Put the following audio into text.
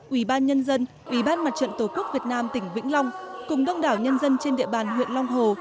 ủy ban nhân dân ủy ban mặt trận tổ quốc việt nam tỉnh vĩnh long cùng đông đảo nhân dân trên địa bàn huyện long hồ